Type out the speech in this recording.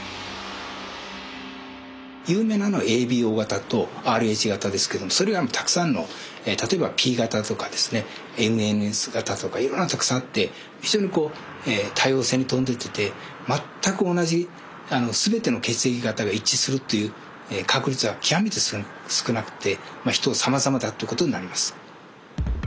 有名なのはＡＢＯ型とＲｈ型ですけどもそれ以外もたくさんの例えばＰ型とかですねＭＮＳ型とかいろんなのたくさんあって非常にこう多様性に富んでて全く同じ全ての血液型が一致するという確率は極めて少なくて人さまざまだということになります。